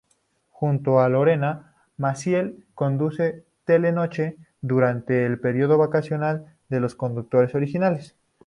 Junto a Lorena Maciel, conducen Telenoche, durante el período vacacional de los conductores originales.